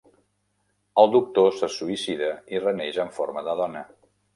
El doctor se suïcida i reneix en forma de dona.